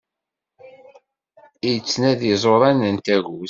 Ittnadi iẓuran n tagut!